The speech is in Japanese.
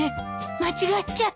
間違っちゃった。